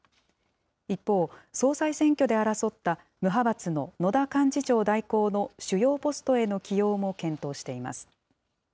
一方、総裁選挙で争った無派閥の野田幹事長代行の主要ポストへの起用も検討しています。